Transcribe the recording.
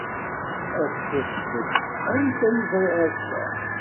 Afet-d anta ay ẓriɣ ass-a.